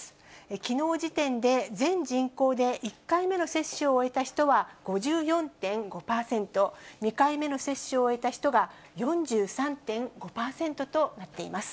きのう時点で全人口で１回目の接種を終えた人は５４．５％、２回目の接種を終えた人が４３．５％となっています。